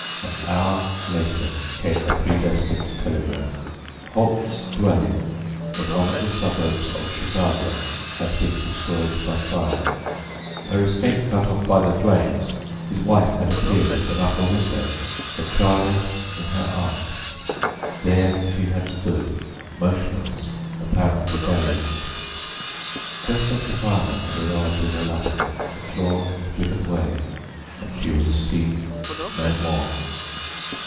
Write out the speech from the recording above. An hour later came the predestined telegram. Holt's dwelling in one of the suburbs of Chicago had been destroyed by fire. Her escape cut off by the flames, his wife had appeared at an upper window, her child in her arms. There she had stood, motionless, apparently dazed. Just as the firemen had arrived with a ladder, the floor had given way, and she was seen no more.